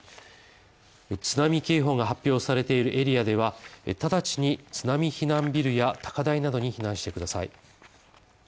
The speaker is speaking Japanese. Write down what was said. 津波警報が発表されているエリアでは直ちに津波避難ビルや高台などに避難してください。